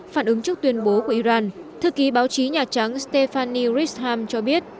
phản ứng trước tuyên bố của iran thư ký báo chí nhà trắng stefani risham cho biết